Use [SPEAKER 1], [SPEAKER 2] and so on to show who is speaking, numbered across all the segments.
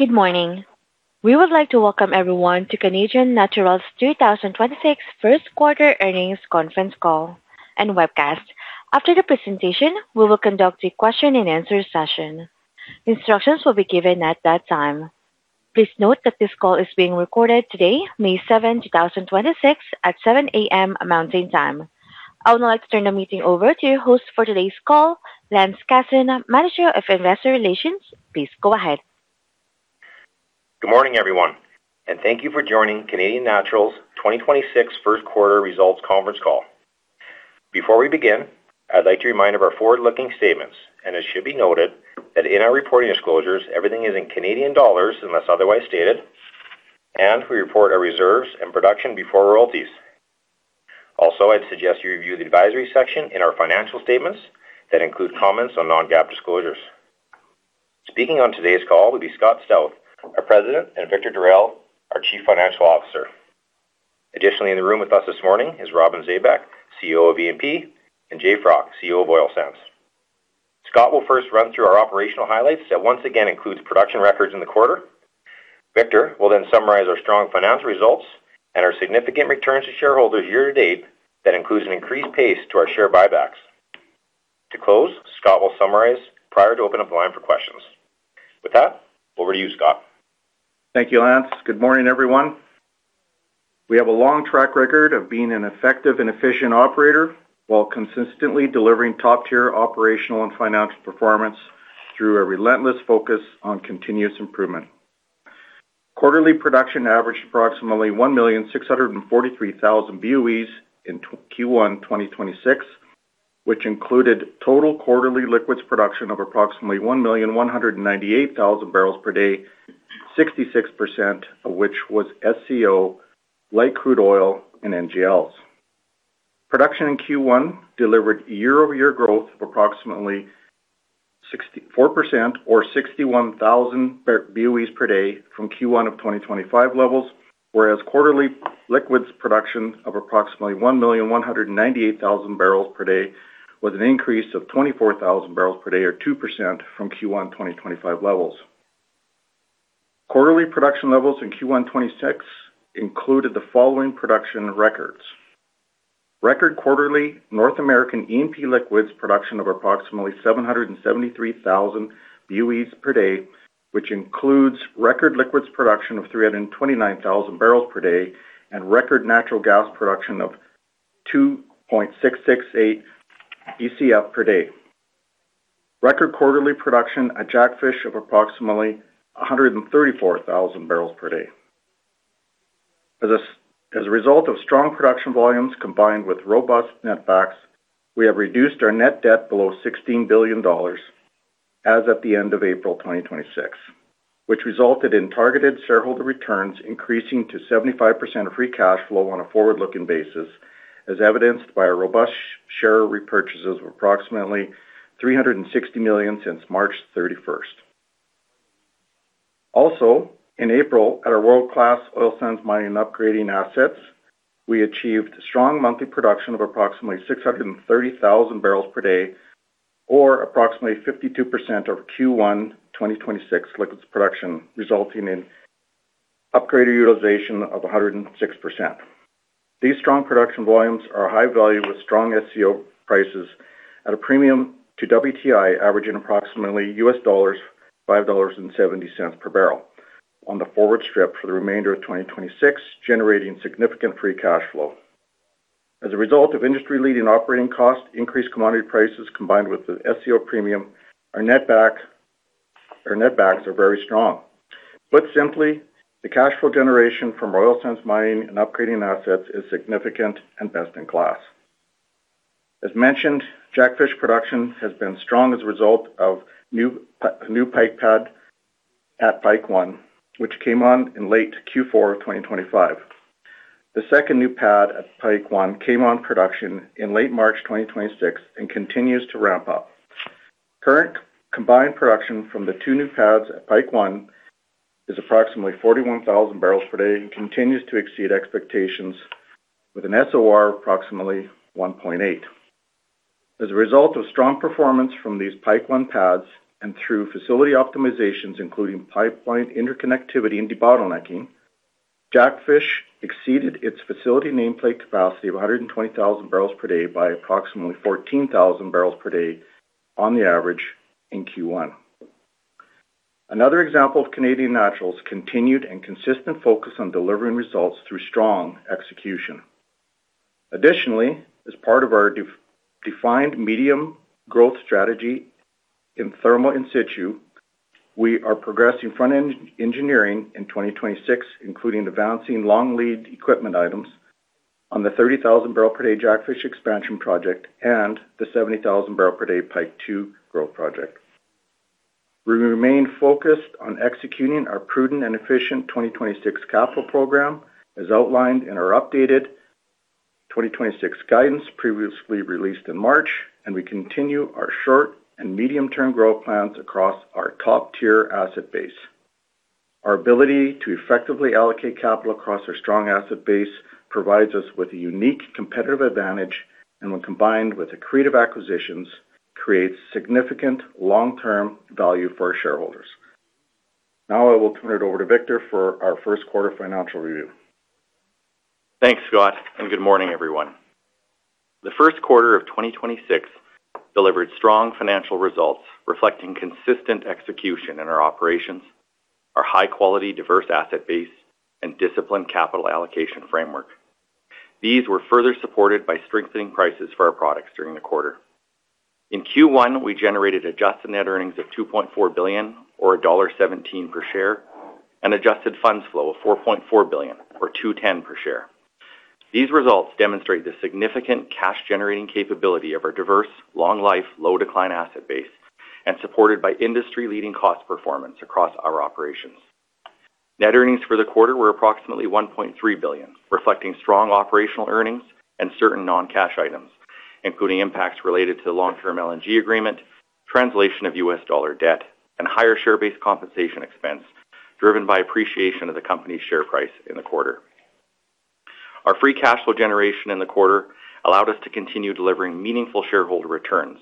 [SPEAKER 1] Good morning. We would like to welcome everyone to Canadian Natural's 2026 First Quarter Earnings Conference Call and Webcast. After the presentation, we will conduct a question-and-answer session. Instructions will be given at that time. Please note that this call is being recorded today, May 7, 2026, at 7:00 A.M. Mountain Time. I would now like to turn the meeting over to your host for today's call, Lance Casson, Manager of Investor Relations. Please go ahead.
[SPEAKER 2] Good morning, everyone, and thank you for joining Canadian Natural's 2026 first quarter results conference call. Before we begin, I'd like to remind of our forward-looking statements, and it should be noted that in our reporting disclosures, everything is in Canadian dollars unless otherwise stated, and we report our reserves and production before royalties. I'd suggest you review the advisory section in our financial statements that include comments on non-GAAP disclosures. Speaking on today's call will be Scott Stauth, our President, and Victor Darel, our Chief Financial Officer. In the room with us this morning is Robin Zabek, COO of E&P, and Jay Froc, COO of Oil Sands. Scott will first run through our operational highlights that once again includes production records in the quarter. Victor will then summarize our strong financial results and our significant returns to shareholders year to date that includes an increased pace to our share buybacks. To close, Scott will summarize prior to opening up the line for questions. Over to you, Scott.
[SPEAKER 3] Thank you, Lance. Good morning, everyone. We have a long track record of being an effective and efficient operator while consistently delivering top-tier operational and financial performance through a relentless focus on continuous improvement. Quarterly production averaged approximately 1,643,000 BOEs in Q1 2026, which included total quarterly liquids production of approximately 1,198,000 barrels per day, 66% of which was SCO, Light Crude Oil, and NGLs. Production in Q1 delivered year-over-year growth of approximately 64% or 61,000 BOEs per day from Q1 2025 levels, whereas quarterly liquids production of approximately 1,198,000 barrels per day was an increase of 24,000 barrels per day or 2% from Q1 2025 levels. Quarterly production levels in Q1 2026 included the following production records. Record quarterly North American E&P liquids production of approximately 773,000 BOEs per day, which includes record liquids production of 329,000 barrels per day and record natural gas production of 2.668 Bcf per day. Record quarterly production at Jackfish of approximately 134,000 barrels per day. As a result of strong production volumes combined with robust netbacks, we have reduced our net debt below 16 billion dollars as of the end of April 2026, which resulted in targeted shareholder returns increasing to 75% of free cash flow on a forward-looking basis, as evidenced by a robust share repurchases of approximately 360 million since March 31st. In April, at our world-class oil sands mining upgrading assets, we achieved strong monthly production of approximately 630,000 barrels per day, or approximately 52% of Q1 2026 liquids production, resulting in upgraded utilization of 106%. These strong production volumes are high value with strong SCO prices at a premium to WTI, averaging approximately US$5.70 per barrel on the forward strip for the remainder of 2026, generating significant free cash flow. As a result of industry-leading operating costs, increased commodity prices, combined with the SCO premium, our net backs are very strong. Put simply, the cash flow generation from oil sands mining and upgrading assets is significant and best in class. As mentioned, Jackfish production has been strong as a result of new Pike pad at Pike 1 which came on in late Q4 2025. The second new pad at Pike 1 came on production in late March 2026 and continues to ramp up. Current combined production from the two new pads at Pike 1 is approximately 41,000 barrels per day and continues to exceed expectations with an SOR approximately 1.8. As a result of strong performance from these Pike 1 pads and through facility optimizations, including pipeline interconnectivity and debottlenecking, Jackfish exceeded its facility nameplate capacity of 120,000 barrels per day by approximately 14,000 barrels per day on the average in Q1. Another example of Canadian Natural's continued and consistent focus on delivering results through strong execution. Additionally, as part of our defined medium growth strategy in thermal in-situ, we are progressing front-end engineering in 2026, including the balancing long lead equipment items on the 30,000-barrel-per-day Jackfish expansion project and the 70,000-barrel-per-day Pike 2 growth project. We remain focused on executing our prudent and efficient 2026 capital program as outlined in our updated 2026 guidance previously released in March. We continue our short and medium-term growth plans across our top-tier asset base. Our ability to effectively allocate capital across our strong asset base provides us with a unique competitive advantage, and when combined with accretive acquisitions, creates significant long-term value for our shareholders. Now I will turn it over to Victor for our first quarter financial review.
[SPEAKER 4] Thanks, Scott. Good morning, everyone. The first quarter of 2026 delivered strong financial results reflecting consistent execution in our operations, our high-quality diverse asset base, and disciplined capital allocation framework. These were further supported by strengthening prices for our products during the quarter. In Q1, we generated adjusted net earnings of 2.4 billion or dollar 1.17 per share and adjusted funds flow of 4.4 billion or 2.10 per share. These results demonstrate the significant cash generating capability of our diverse, long life, low decline asset base supported by industry-leading cost performance across our operations. Net earnings for the quarter were approximately 1.3 billion, reflecting strong operational earnings and certain non-cash items, including impacts related to long-term LNG agreement, translation of US dollar debt, and higher share-based compensation expense driven by appreciation of the company's share price in the quarter. Our free cash flow generation in the quarter allowed us to continue delivering meaningful shareholder returns,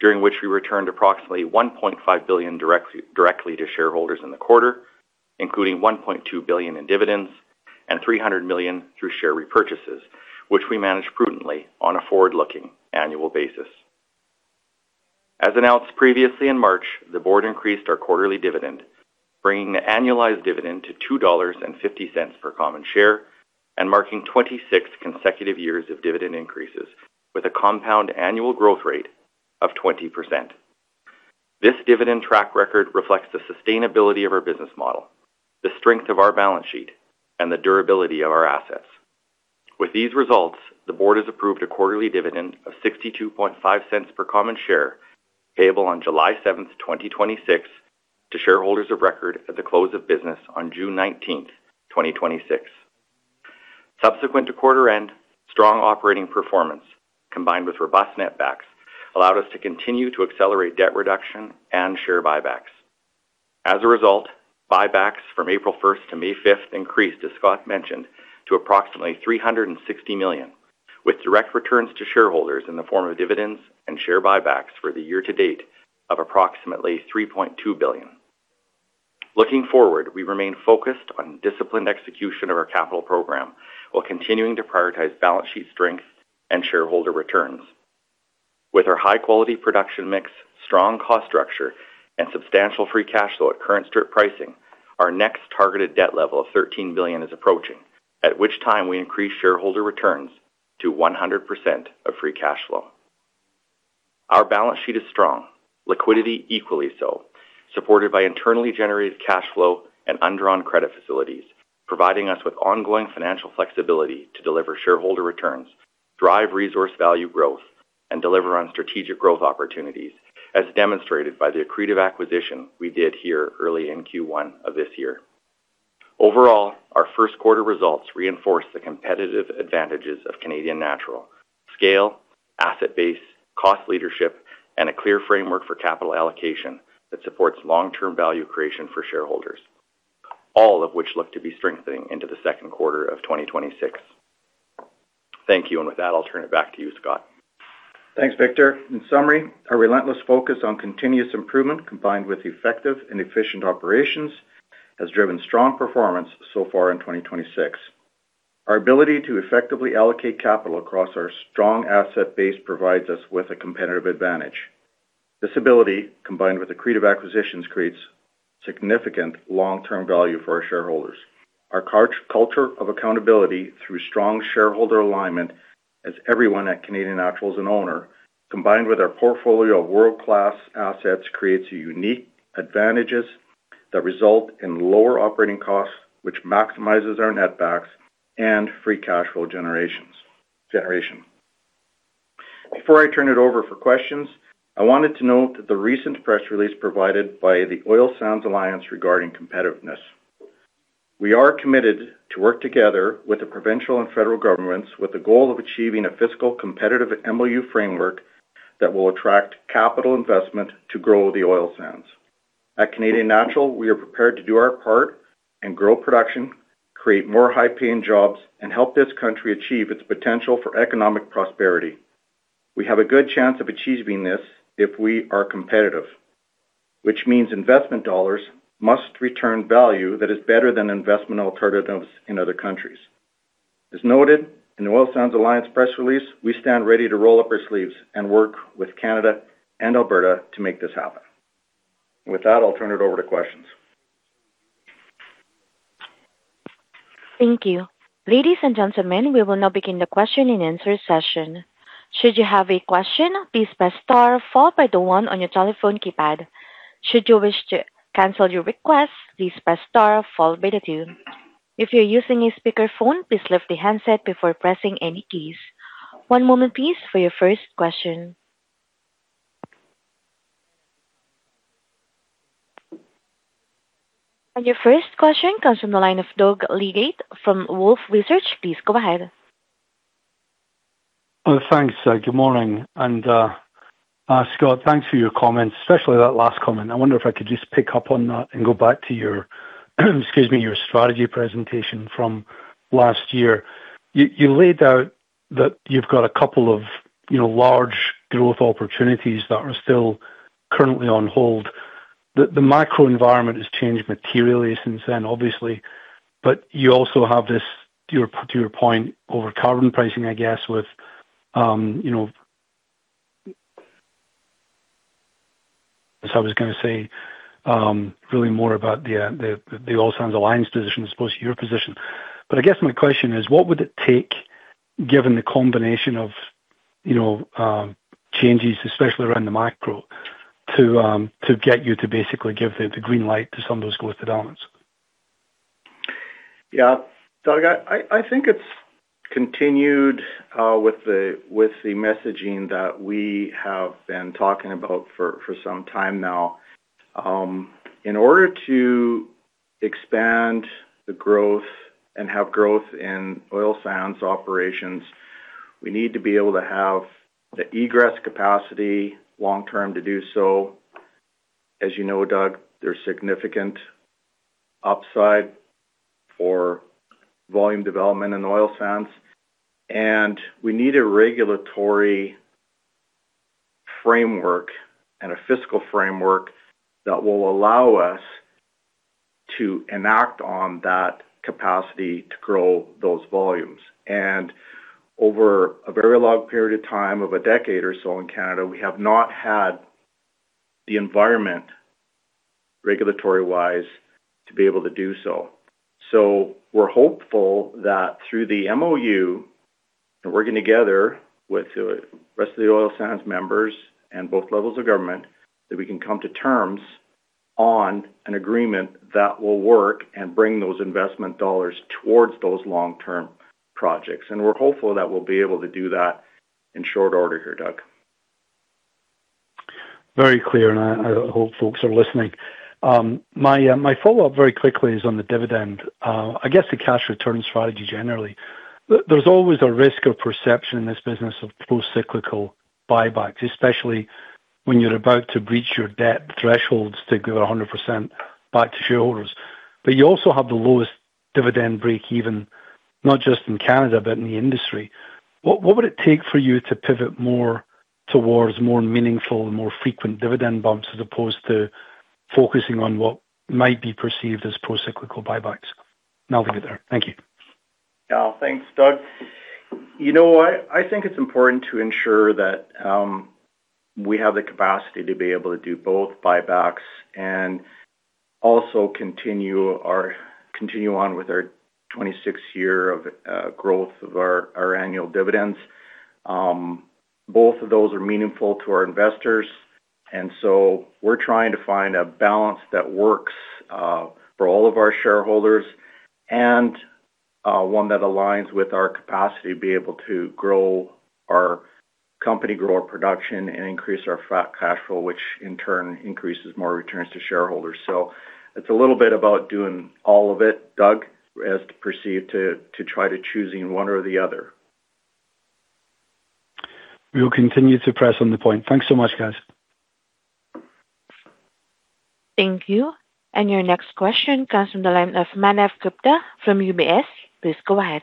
[SPEAKER 4] during which we returned approximately 1.5 billion directly to shareholders in the quarter, including 1.2 billion in dividends and 300 million through share repurchases, which we manage prudently on a forward-looking annual basis. As announced previously in March, the board increased our quarterly dividend, bringing the annualized dividend to 2.50 dollars per common share and marking 26 consecutive years of dividend increases with a compound annual growth rate of 20%. This dividend track record reflects the sustainability of our business model, the strength of our balance sheet, and the durability of our assets. With these results, the board has approved a quarterly dividend of 0.625 per common share, payable on July 7, 2026 to shareholders of record at the close of business on June 19, 2026. Subsequent to quarter end, strong operating performance combined with robust netbacks allowed us to continue to accelerate debt reduction and share buybacks. As a result, buybacks from April 1 to May 5 increased, as Scott mentioned, to approximately 360 million, with direct returns to shareholders in the form of dividends and share buybacks for the year to date of approximately 3.2 billion. Looking forward, we remain focused on disciplined execution of our capital program while continuing to prioritize balance sheet strength and shareholder returns. With our high-quality production mix, strong cost structure, and substantial free cash flow at current strip pricing, our next targeted debt level of CAD 13 billion is approaching, at which time we increase shareholder returns to 100% of free cash flow. Our balance sheet is strong, liquidity equally so, supported by internally generated cash flow and undrawn credit facilities, providing us with ongoing financial flexibility to deliver shareholder returns, drive resource value growth, and deliver on strategic growth opportunities, as demonstrated by the accretive acquisition we did here early in Q1 of this year. Overall, our first quarter results reinforce the competitive advantages of Canadian Natural: scale, asset base, cost leadership, and a clear framework for capital allocation that supports long-term value creation for shareholders, all of which look to be strengthening into the second quarter of 2026. Thank you. With that, I'll turn it back to you, Scott.
[SPEAKER 3] Thanks, Victor. In summary, our relentless focus on continuous improvement, combined with effective and efficient operations, has driven strong performance so far in 2026. Our ability to effectively allocate capital across our strong asset base provides us with a competitive advantage. This ability, combined with accretive acquisitions, creates significant long-term value for our shareholders. Our culture of accountability through strong shareholder alignment as everyone at Canadian Natural is an owner, combined with our portfolio of world-class assets, creates a unique advantages that result in lower operating costs, which maximizes our netbacks and free cash flow generation. Before I turn it over for questions, I wanted to note that the recent press release provided by the Oil Sands Alliance regarding competitiveness. We are committed to work together with the provincial and federal governments with the goal of achieving a fiscal competitive MoU framework that will attract capital investment to grow the Oil Sands. At Canadian Natural, we are prepared to do our part and grow production, create more high-paying jobs, and help this country achieve its potential for economic prosperity. We have a good chance of achieving this if we are competitive, which means investment dollars must return value that is better than investment alternatives in other countries. As noted in the Oil Sands Alliance press release, we stand ready to roll up our sleeves and work with Canada and Alberta to make this happen. With that, I'll turn it over to questions.
[SPEAKER 1] Thank you. Ladies and gentlemen, we will now begin the question-and-answer session. Your first question comes from the line of Doug Leggate from Wolfe Research. Please go ahead.
[SPEAKER 5] Thanks. Good morning. Scott, thanks for your comments, especially that last comment. I wonder if I could just pick up on that and go back to your, excuse me, your strategy presentation from last year. You laid out that you've got a couple of, you know, large growth opportunities that are still currently on hold. The macro environment has changed materially since then, obviously. You also have this, to your, to your point over carbon pricing, I guess with, really more about the Oil Sands Alliance position as opposed to your position. I guess my question is, what would it take, given the combination of, you know, changes, especially around the macro, to get you to basically give the green light to some of those growth developments?
[SPEAKER 3] Yeah. Doug, I think it's continued with the messaging that we have been talking about for some time now. In order to expand the growth and have growth in Oil Sands operations, we need to be able to have the egress capacity long-term to do so. As you know, Doug, there's significant upside for volume development in Oil Sands, we need a regulatory framework and a fiscal framework that will allow us to enact on that capacity to grow those volumes. Over a very long period of time of a decade or so in Canada, we have not had the environment regulatory-wise to be able to do so. We're hopeful that through the MoU and working together with the rest of the oil sands members and both levels of government, that we can come to terms on an agreement that will work and bring those investment dollars towards those long-term projects. We're hopeful that we'll be able to do that in short order here, Doug.
[SPEAKER 5] Very clear, and I hope folks are listening. My follow-up very quickly is on the dividend. I guess the cash return strategy generally. There's always a risk or perception in this business of pro-cyclical buybacks, especially when you're about to breach your debt thresholds to give 100% back to shareholders. You also have the lowest dividend break even, not just in Canada, but in the industry. What would it take for you to pivot more towards more meaningful and more frequent dividend bumps as opposed to focusing on what might be perceived as pro-cyclical buybacks? I'll leave it there. Thank you.
[SPEAKER 3] Thanks, Doug. You know what? I think it's important to ensure that we have the capacity to be able to do both buybacks and also continue on with our 26th year of growth of our annual dividends. Both of those are meaningful to our investors, and so we're trying to find a balance that works for all of our shareholders and one that aligns with our capacity to be able to grow our company, grow our production, and increase our free cash flow, which in turn increases more returns to shareholders. It's a little bit about doing all of it, Doug, as to proceed to try to choosing one or the other.
[SPEAKER 5] We will continue to press on the point. Thanks so much, guys.
[SPEAKER 1] Thank you. Your next question comes from the line of Manav Gupta from UBS. Please go ahead.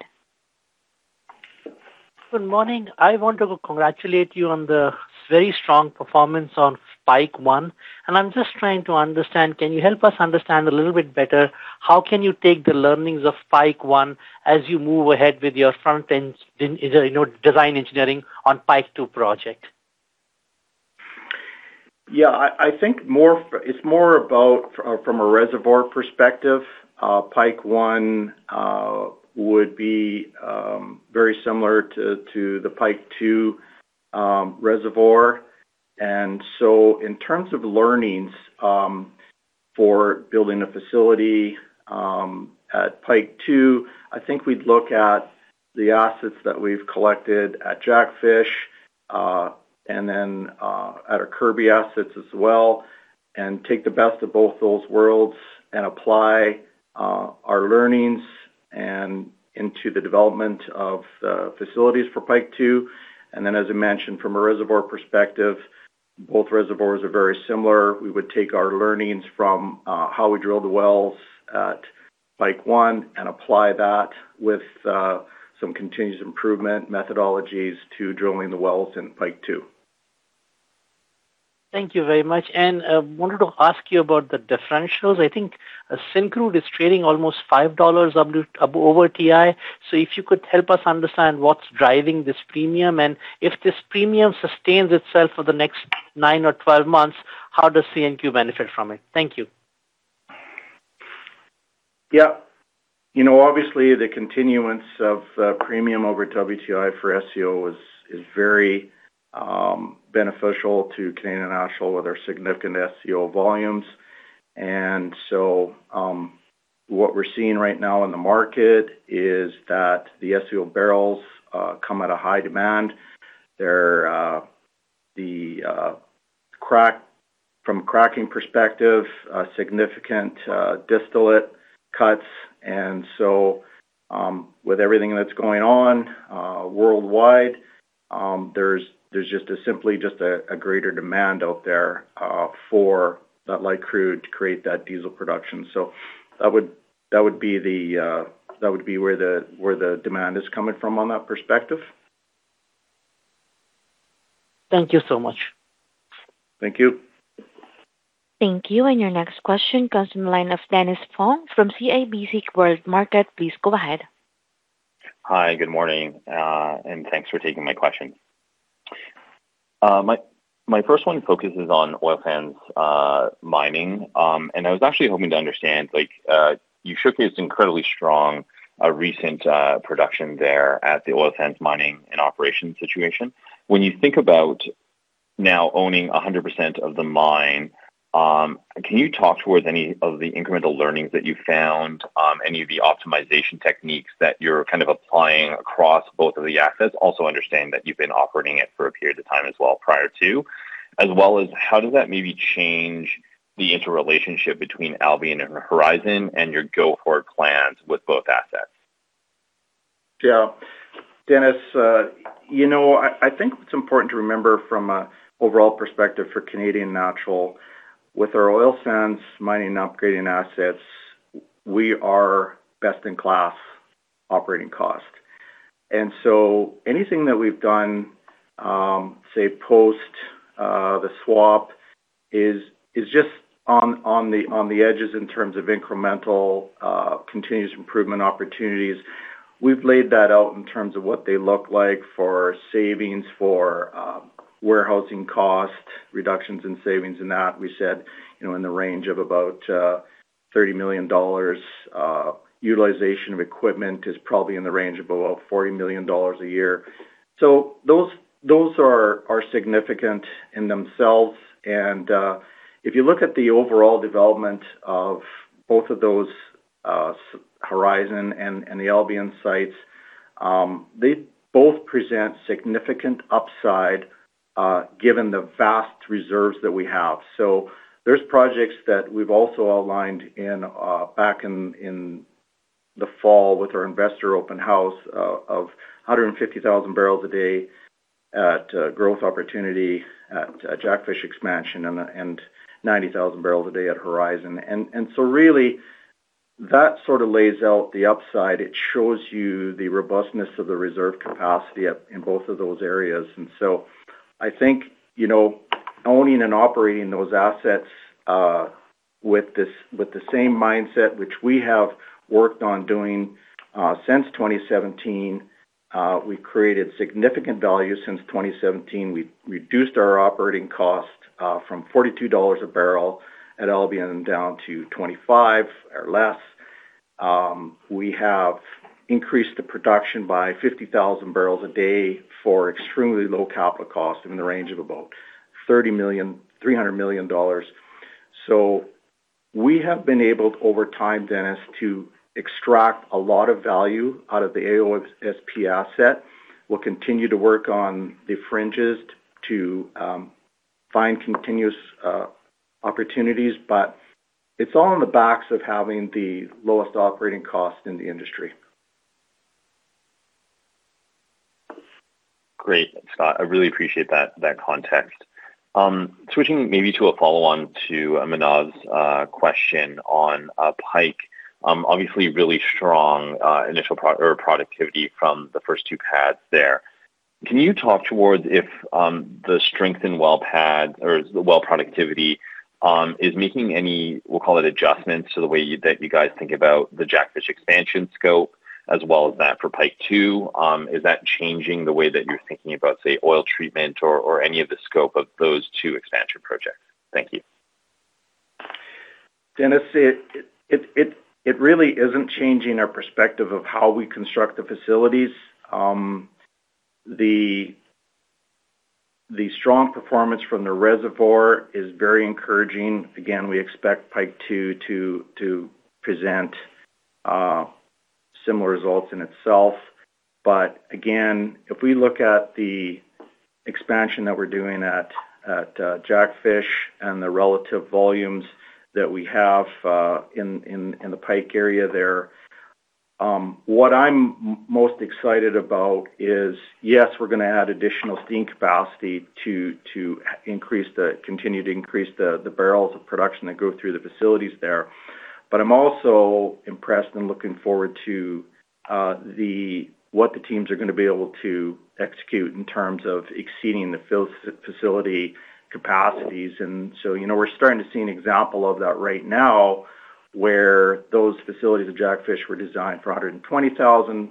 [SPEAKER 6] Good morning. I want to congratulate you on the very strong performance on Pike 1. I'm just trying to understand, can you help us understand a little bit better how can you take the learnings of Pike 1 as you move ahead with your front-end in, you know, design engineering on Pike 2 project?
[SPEAKER 3] Yeah. I think it's more about from a reservoir perspective, Pike 1 would be very similar to the Pike 2 reservoir. In terms of learnings for building a facility at Pike 2, I think we'd look at the assets that we've collected at Jackfish and then at our Kirby assets as well, and take the best of both those worlds and apply our learnings into the development of facilities for Pike 2. As I mentioned from a reservoir perspective, both reservoirs are very similar. We would take our learnings from how we drill the wells at Pike 1 and apply that with some continuous improvement methodologies to drilling the wells in Pike 2.
[SPEAKER 6] Thank you very much. I wanted to ask you about the differentials. I think Syncrude is trading almost 5 dollars over WTI. If you could help us understand what's driving this premium, and if this premium sustains itself for the next nine or 12 months, how does CNQ benefit from it? Thank you.
[SPEAKER 3] You know, obviously the continuance of premium over WTI for SCO is very beneficial to Canadian Natural with our significant SCO volumes. What we're seeing right now in the market is that the SCO barrels come at a high demand. They're, the, from cracking perspective, significant distillate cuts. With everything that's going on worldwide. There's just a greater demand out there for that light crude to create that diesel production. That would be the, that would be where the demand is coming from on that perspective.
[SPEAKER 6] Thank you so much.
[SPEAKER 3] Thank you.
[SPEAKER 1] Thank you. Your next question comes from the line of Dennis Fong from CIBC Capital Markets. Please go ahead.
[SPEAKER 7] Hi, good morning. Thanks for taking my question. My first one focuses on Oil Sands mining. I was actually hoping to understand, like, you showed this incredibly strong recent production there at the Oil Sands mining and operation situation. When you think about now owning 100% of the mine, can you talk towards any of the incremental learnings that you found, any of the optimization techniques that you're kind of applying across both of the assets? Also understand that you've been operating it for a period of time as well prior to, as well as how does that maybe change the interrelationship between Albian and Horizon and your go-forward plans with both assets?
[SPEAKER 3] Yeah. Dennis, you know, I think what's important to remember from a overall perspective for Canadian Natural, with our oil sands mining and upgrading assets, we are best in class operating cost. Anything that we've done, say, post the swap is just on the edges in terms of incremental continuous improvement opportunities. We've laid that out in terms of what they look like for savings for warehousing costs, reductions in savings, and that we said, you know, in the range of about 30 million dollars. Utilization of equipment is probably in the range of about 40 million dollars a year. Those are significant in themselves. If you look at the overall development of both of those, Horizon and the Albian, they both present significant upside given the vast reserves that we have. There's projects that we've also outlined in back in the fall with our investor open house of 150,000 barrels a day at growth opportunity at Jackfish expansion and 90,000 barrels a day at Horizon. Really that sort of lays out the upside. It shows you the robustness of the reserve capacity in both of those areas. I think, you know, owning and operating those assets with the same mindset which we have worked on doing since 2017, we created significant value since 2017. We reduced our operating cost from 42 dollars a barrel at Albian down to 25 or less. We have increased the production by 50,000 barrels a day for extremely low capital cost in the range of about 300 million dollars. We have been able over time, Dennis, to extract a lot of value out of the AOSP asset. We'll continue to work on the fringes to find continuous opportunities, but it's all in the backs of having the lowest operating cost in the industry.
[SPEAKER 7] Great, Scott. I really appreciate that context. Switching maybe to a follow on to Manav's question on Pike, obviously really strong initial productivity from the first two pads there. Can you talk towards if the strength in well pad or the well productivity is making any, we'll call it adjustments to the way that you guys think about the Jackfish expansion scope as well as that for Pike 2? Is that changing the way that you're thinking about, say, oil treatment or any of the scope of those two expansion projects? Thank you.
[SPEAKER 3] Dennis, it really isn't changing our perspective of how we construct the facilities. The strong performance from the reservoir is very encouraging. Again, we expect Pike 2 to present similar results in itself. Again, if we look at the expansion that we're doing at Jackfish and the relative volumes that we have in the Pike area there, what I'm most excited about is, yes, we're going to add additional steam capacity to continue to increase the barrels of production that go through the facilities there. I'm also impressed and looking forward to what the teams are going to be able to execute in terms of exceeding the facility capacities. You know, we're starting to see an example of that right now where those facilities of Jackfish were designed for 120,000.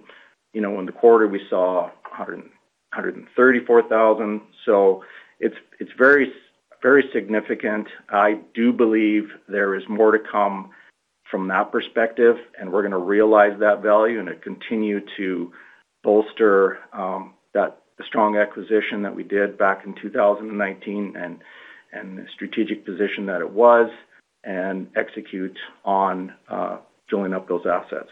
[SPEAKER 3] You know, in the quarter we saw 134,000. It's very, very significant. I do believe there is more to come from that perspective, and we're gonna realize that value and continue to bolster that strong acquisition that we did back in 2019 and the strategic position that it was and execute on joining up those assets.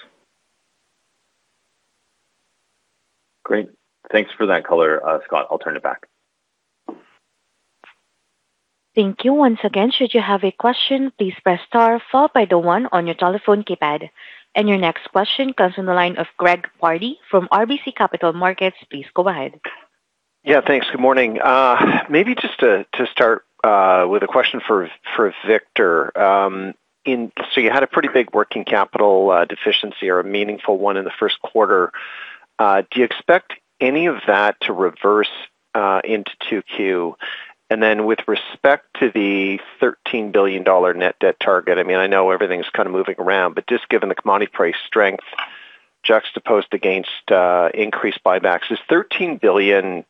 [SPEAKER 7] Great. Thanks for that color, Scott. I'll turn it back.
[SPEAKER 1] Thank you. Once again, should you have a question, please press star followed by the one on your telephone keypad. Your next question comes from the line of Greg Pardy from RBC Capital Markets. Please go ahead.
[SPEAKER 8] Yeah, thanks. Good morning. Maybe just to start with a question for Victor. You had a pretty big working capital deficiency or a meaningful one in the first quarter. Do you expect any of that to reverse into 2Q? Then with respect to the 13 billion dollar net debt target, I mean, I know everything's kind of moving around, but just given the commodity price strength juxtaposed against increased buybacks, is 13 billion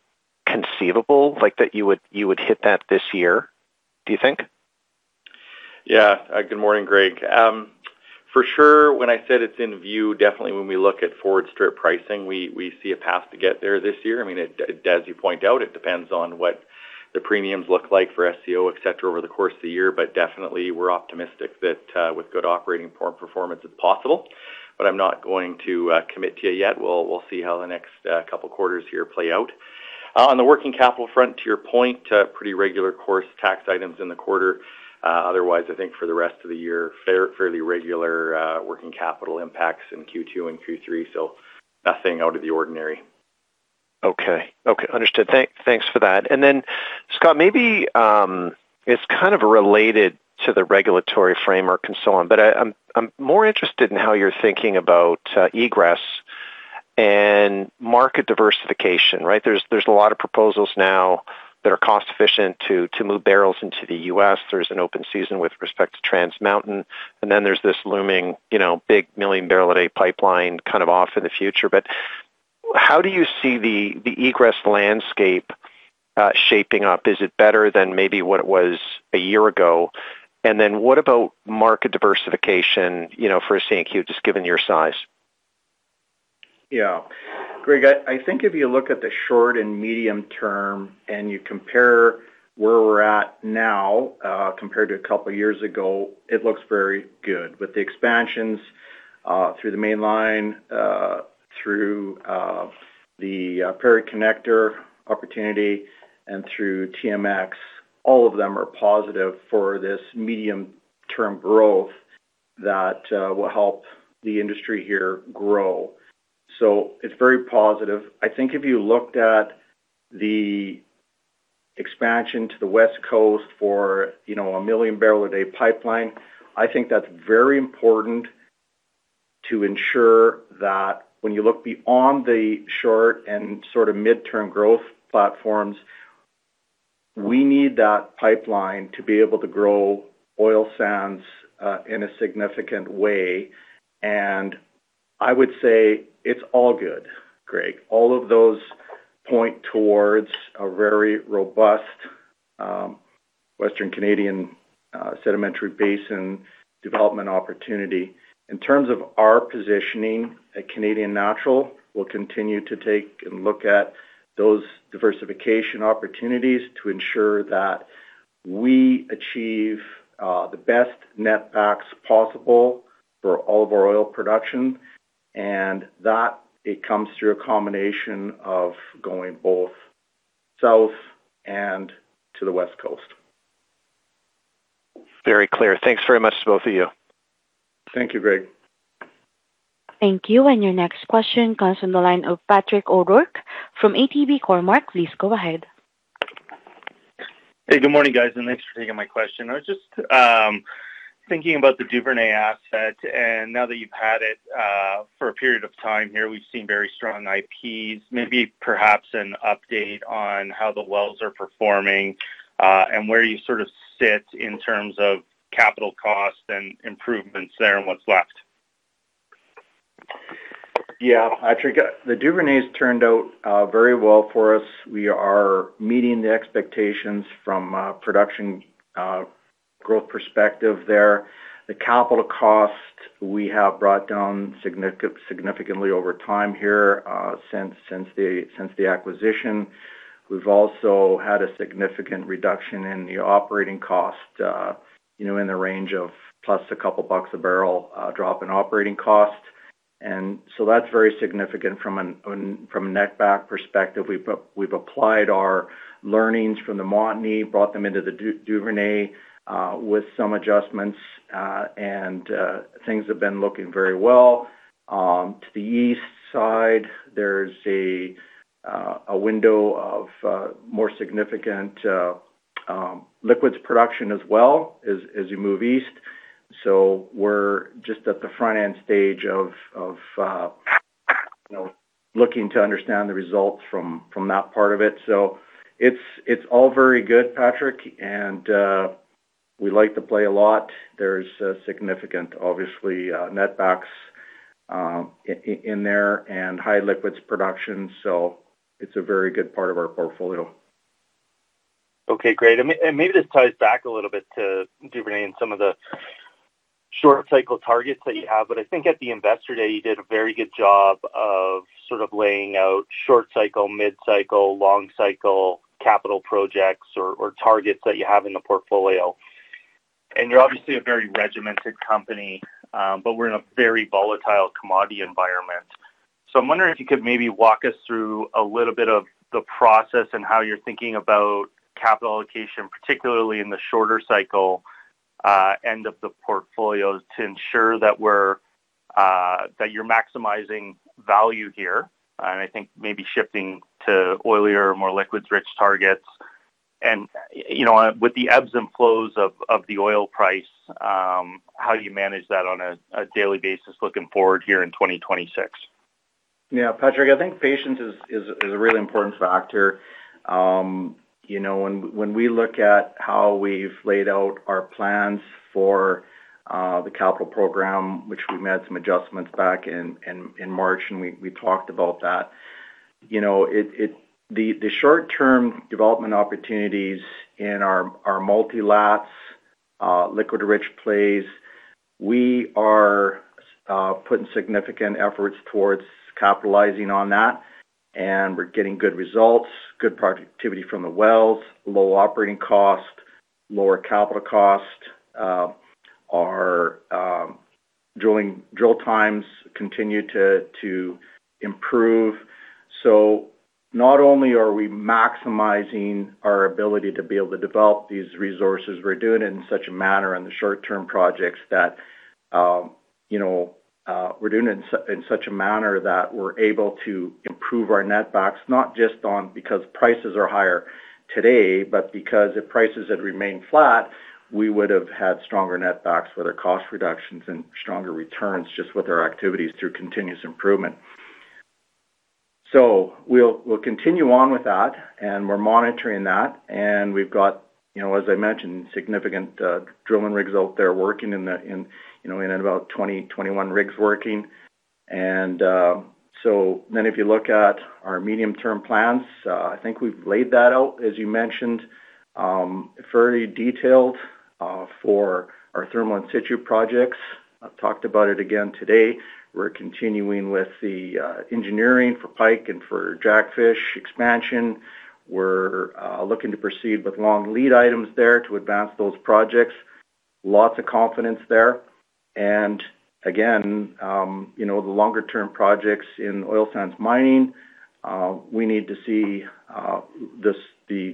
[SPEAKER 8] conceivable like that you would hit that this year, do you think?
[SPEAKER 4] Yeah. Good morning, Greg. For sure, when I said it's in view, definitely when we look at forward strip pricing, we see a path to get there this year. I mean, as you point out, it depends on what the premiums look like for SCO, etc., over the course of the year. Definitely we're optimistic that with good operating performance, it's possible. I'm not going to commit to you yet. We'll see how the next couple quarters here play out. On the working capital front, to your point, pretty regular course tax items in the quarter. Otherwise, I think for the rest of the year, fairly regular working capital impacts in Q2 and Q3. Nothing out of the ordinary.
[SPEAKER 8] Okay. Okay. Understood. Thanks for that. Then, Scott, maybe, it's kind of related to the regulatory framework and so on, but I'm more interested in how you're thinking about egress and market diversification. Right? There's a lot of proposals now that are cost-efficient to move barrels into the U.S. There's an open season with respect to Trans Mountain. Then there's this looming, you know, big million-barrel-a-day pipeline kind of off in the future. How do you see the egress landscape shaping up? Is it better than maybe what it was a year ago? Then what about market diversification, you know, for CNQ, just given your size?
[SPEAKER 3] Yeah. Greg, I think if you look at the short and medium term and you compare where we're at now, compared to a couple of years ago, it looks very good. With the expansions, through the Mainline, through the Prairie Connector opportunity and through TMX, all of them are positive for this medium-term growth that will help the industry here grow. It's very positive. I think if you looked at the expansion to the West Coast for, you know, a 1 million barrel-a-day pipeline, I think that's very important to ensure that when you look beyond the short and sort of midterm growth platforms, we need that pipeline to be able to grow Oil Sands in a significant way. I would say it's all good, Greg. All of those point towards a very robust, Western Canadian, sedimentary basin development opportunity. In terms of our positioning at Canadian Natural, we'll continue to take and look at those diversification opportunities to ensure that we achieve the best netbacks possible for all of our oil production, and that it comes through a combination of going both south and to the West Coast.
[SPEAKER 8] Very clear. Thanks very much to both of you.
[SPEAKER 3] Thank you, Greg.
[SPEAKER 1] Thank you. Your next question comes from the line of Patrick O'Rourke from ATB Cormark Please go ahead.
[SPEAKER 9] Hey, good morning, guys, thanks for taking my question. I was just thinking about the Duvernay asset, and now that you've had it for a period of time here, we've seen very strong IPs. Maybe perhaps an update on how the wells are performing, and where you sort of sit in terms of capital costs and improvements there and what's left?
[SPEAKER 3] Yeah, Patrick. The Duvernay's turned out very well for us. We are meeting the expectations from a production growth perspective there. The capital cost, we have brought down significantly over time here, since the acquisition. We've also had a significant reduction in the operating cost, you know, in the range of plus a couple CAD a barrel drop in operating cost. That's very significant from a netback perspective. We've applied our learnings from the Montney, brought them into the Duvernay, with some adjustments, things have been looking very well. To the east side, there's a window of more significant liquids production as well as you move east. We're just at the front-end stage of, you know, looking to understand the results from that part of it. It's all very good, Patrick. We like to play a lot. There's significant, obviously, netbacks in there and high liquids production. It's a very good part of our portfolio.
[SPEAKER 9] Okay, great. Maybe this ties back a little bit to Duvernay and some of the short cycle targets that you have. I think at the Investor Day, you did a very good job of sort of laying out short cycle, mid cycle, long cycle capital projects or targets that you have in the portfolio. You're obviously a very regimented company, but we're in a very volatile commodity environment. I'm wondering if you could maybe walk us through a little bit of the process and how you're thinking about capital allocation, particularly in the shorter cycle end of the portfolio to ensure that you're maximizing value here. I think maybe shifting to oilier, more liquids-rich targets. You know, with the ebbs and flows of the oil price, how you manage that on a daily basis looking forward here in 2026.
[SPEAKER 3] Yeah, Patrick, I think patience is a really important factor. You know, when we look at how we've laid out our plans for the capital program, which we made some adjustments back in March, and we talked about that. You know, the short-term development opportunities in our multilaterals, liquid rich plays, we are putting significant efforts towards capitalizing on that, and we're getting good results, good productivity from the wells, low operating costs, lower capital costs. Our drill times continue to improve. Not only are we maximizing our ability to be able to develop these resources, we're doing it in such a manner on the short-term projects that, you know, we're doing it in such a manner that we're able to improve our net backs, not just on because prices are higher today, but because if prices had remained flat, we would have had stronger net backs with our cost reductions and stronger returns just with our activities through continuous improvement. We'll continue on with that, and we're monitoring that. We've got, you know, as I mentioned, significant drilling rigs out there working, you know, in about 20, 21 rigs working. If you look at our medium-term plans, I think we've laid that out, as you mentioned, fairly detailed for our thermal in-situ projects. I've talked about it again today. We're continuing with the engineering for Pike and for Jackfish expansion. We're looking to proceed with long lead items there to advance those projects. Lots of confidence there. Again, you know, the longer term projects in oil sands mining, we need to see,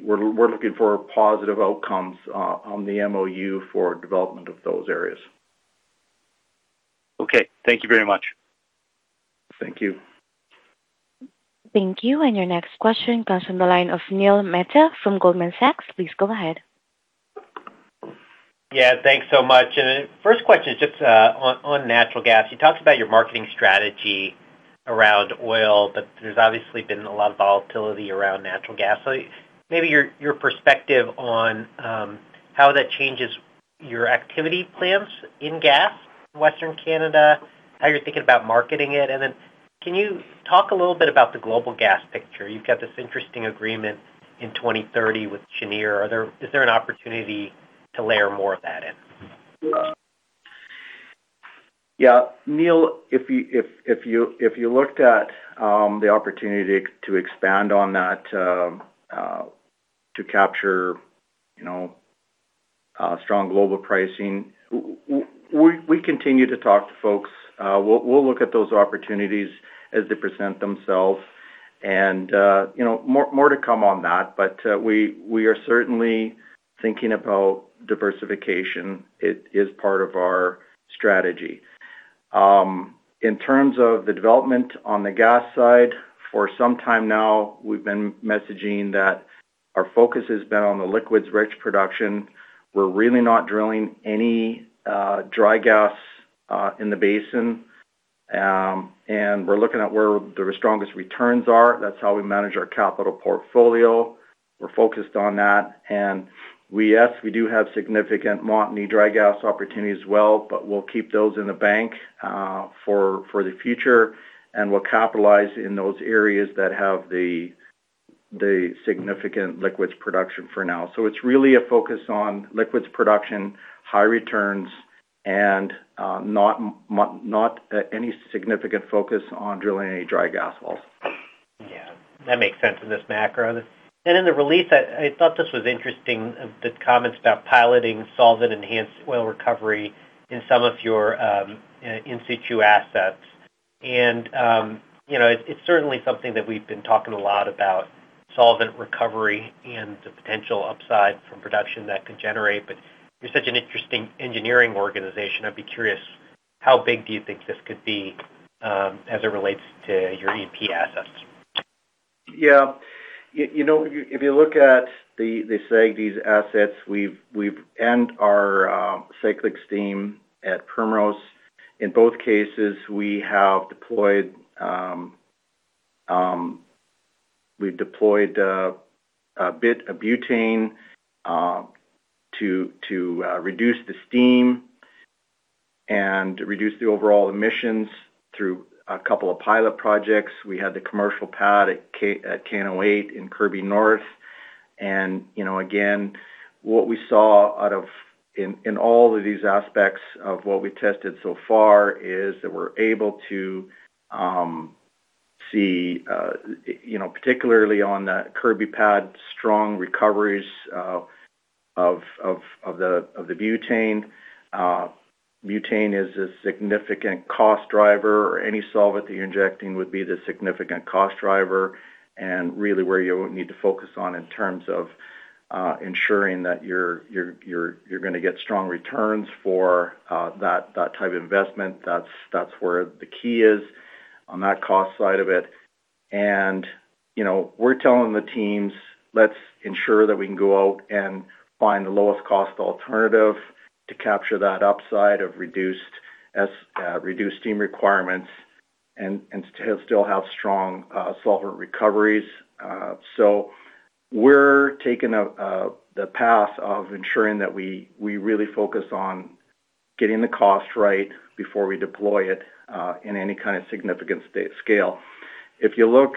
[SPEAKER 3] we're looking for positive outcomes on the MoU for development of those areas.
[SPEAKER 9] Okay. Thank you very much.
[SPEAKER 3] Thank you.
[SPEAKER 1] Thank you. Your next question comes from the line of Neil Mehta from Goldman Sachs. Please go ahead.
[SPEAKER 10] Yeah, thanks so much. First question is just on natural gas. You talked about your marketing strategy around oil, but there's obviously been a lot of volatility around natural gas. Maybe your perspective on how that changes your activity plans in gas, Western Canada, how you're thinking about marketing it. Can you talk a little bit about the global gas picture? You've got this interesting agreement in 2030 with Cheniere. Is there an opportunity to layer more of that in?
[SPEAKER 3] Yeah, Neil, if you looked at, the opportunity to expand on that, to capture, you know, strong global pricing, we continue to talk to folks. We'll look at those opportunities as they present themselves. You know, more to come on that. We are certainly thinking about diversification. It is part of our strategy. In terms of the development on the gas side, for some time now, we've been messaging that our focus has been on the liquids rich production. We're really not drilling any dry gas in the basin. We're looking at where the strongest returns are. That's how we manage our capital portfolio. We're focused on that. Yes, we do have significant Montney dry gas opportunities as well, but we'll keep those in the bank for the future, and we'll capitalize in those areas that have the significant liquids production for now. It's really a focus on liquids production, high returns, and not any significant focus on drilling any dry gas wells.
[SPEAKER 10] Yeah, that makes sense in this macro. In the release, I thought this was interesting, the comments about piloting solvent enhanced oil recovery in some of your in-situ assets. You know, it's certainly something that we've been talking a lot about, solvent recovery and the potential upside from production that could generate. You're such an interesting engineering organization. I'd be curious, how big do you think this could be as it relates to your E&P assets?
[SPEAKER 3] Yeah. You know, if you look at the SAGD assets, we've and our cyclic steam at Primrose, in both cases, we have deployed, we've deployed a bit of butane to reduce the steam and reduce the overall emissions through a couple of pilot projects. We had the commercial pad at Canaught in Kirby North. You know, again, what we saw out of all of these aspects of what we tested so far is that we're able to See, you know, particularly on that Kirby pad, strong recoveries of the butane. Butane is a significant cost driver or any solvent that you're injecting would be the significant cost driver and really where you need to focus on in terms of ensuring that you're gonna get strong returns for that type of investment. That's where the key is on that cost side of it. You know, we're telling the teams, let's ensure that we can go out and find the lowest cost alternative to capture that upside of reduced steam requirements and still have strong solvent recoveries. We're taking the path of ensuring that we really focus on getting the cost right before we deploy it in any kind of significant scale. If you look,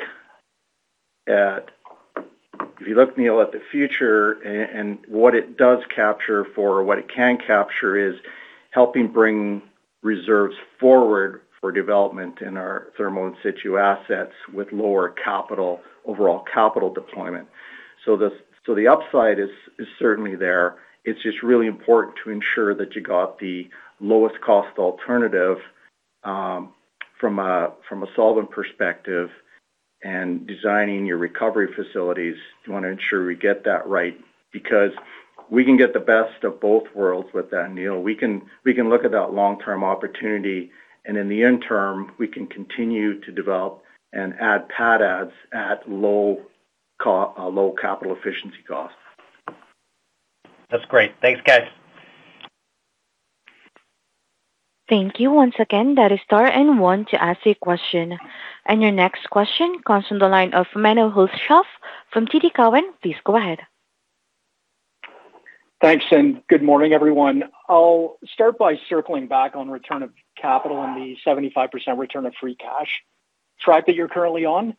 [SPEAKER 3] Neil, at the future and what it does capture for, or what it can capture is helping bring reserves forward for development in our thermal in situ assets with lower capital, overall capital deployment. The upside is certainly there. It's just really important to ensure that you got the lowest cost alternative, from a solvent perspective and designing your recovery facilities. We wanna ensure we get that right because we can get the best of both worlds with that, Neil. We can look at that long-term opportunity, and in the interim, we can continue to develop and add pad adds at low capital efficiency costs.
[SPEAKER 10] That's great. Thanks, guys.
[SPEAKER 1] Thank you once again. That is star and one to ask a question. Your next question comes from the line of Menno Hulshof from TD Cowen. Please go ahead.
[SPEAKER 11] Thanks, and good morning, everyone. I'll start by circling back on return of capital and the 75% return of free cash track that you're currently on.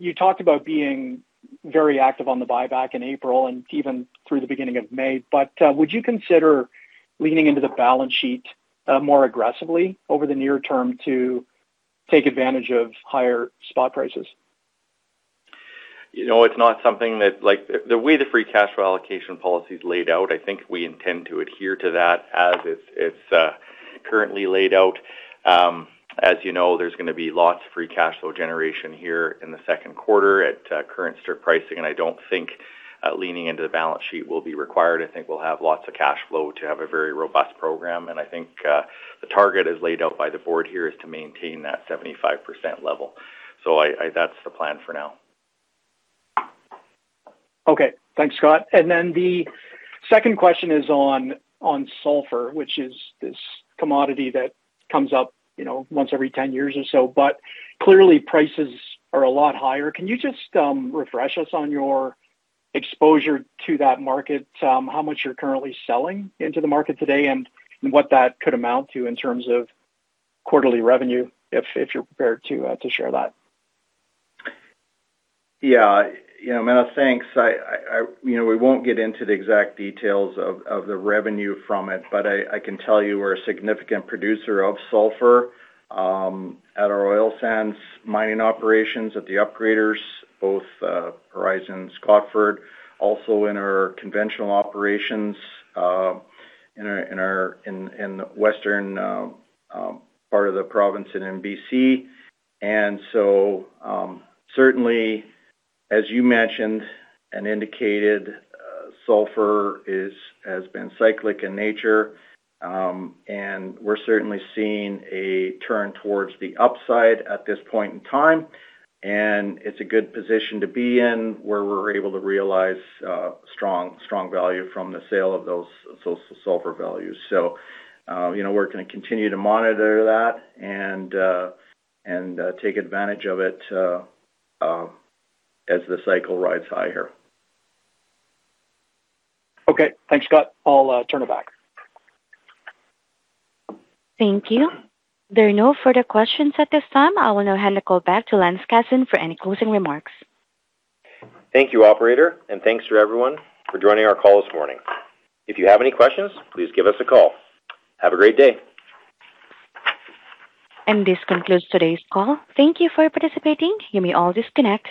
[SPEAKER 11] You talked about being very active on the buyback in April and even through the beginning of May, would you consider leaning into the balance sheet more aggressively over the near term to take advantage of higher spot prices?
[SPEAKER 3] You know, it's not something that. The way the free cash flow allocation policy is laid out, I think we intend to adhere to that as it's currently laid out. As you know, there's going to be lots of free cash flow generation here in the second quarter at current strip pricing, and I don't think leaning into the balance sheet will be required. I think we'll have lots of cash flow to have a very robust program, and I think the target as laid out by the Board here is to maintain that 75% level. That's the plan for now.
[SPEAKER 11] Okay. Thanks, Scott. The second question is on sulfur, which is this commodity that comes up, you know, once every 10 years or so, but clearly prices are a lot higher. Can you just refresh us on your exposure to that market, how much you're currently selling into the market today and what that could amount to in terms of quarterly revenue if you're prepared to share that?
[SPEAKER 3] You know, Menno, thanks. You know, we won't get into the exact details of the revenue from it, but I can tell you we're a significant producer of sulfur at our oil sands mining operations at the upgraders, both Horizon, Scotford, also in our conventional operations in the western part of the province and in B.C. Certainly, as you mentioned and indicated, sulfur has been cyclic in nature. We're certainly seeing a turn towards the upside at this point in time, and it's a good position to be in, where we're able to realize strong value from the sale of those sulfur values. You know, we're gonna continue to monitor that and take advantage of it, as the cycle rides higher.
[SPEAKER 11] Okay. Thanks, Scott. I'll turn it back.
[SPEAKER 1] Thank you. There are no further questions at this time. I will now hand the call back to Lance Casson for any closing remarks.
[SPEAKER 2] Thank you, operator, and thanks to everyone for joining our call this morning. If you have any questions, please give us a call. Have a great day.
[SPEAKER 1] This concludes today's call. Thank you for participating. You may all disconnect.